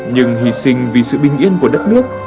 nhưng hy sinh vì sự bình yên của đất nước